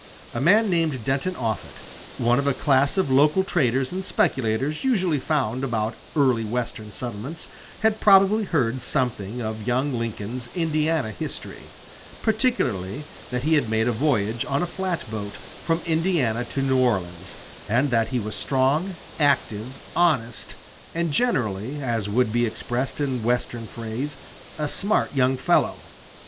A man named Denton Offutt, one of a class of local traders and speculators usually found about early Western settlements, had probably heard something of young Lincoln's Indiana history, particularly that he had made a voyage on a flatboat from Indiana to New Orleans, and that he was strong, active, honest, and generally, as would be expressed in Western phrase, "a smart young fellow."